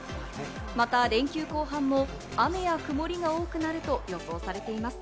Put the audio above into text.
また連休後半も雨や曇りが多くなると予想されています。